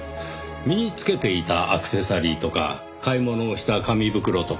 身につけていたアクセサリーとか買い物をした紙袋とか。